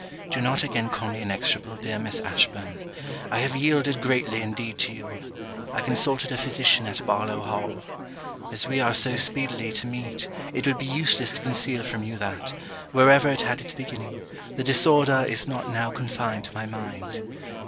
Do not again call me inexorable, dear Miss Ashburn. I have yielded greatly indeed to you. I consulted a physician at Barlowe Hall. As we are so speedily to meet, it would be useless to conceal from you that, wherever it had its beginning, the disorder is not now confined to my mind.